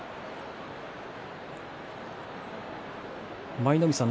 舞の海さん